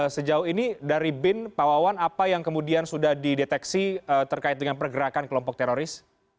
sejauh ini dari bin pak wawan apa yang kemudian sudah dideteksi terkait dengan pergerakan kelompok teroris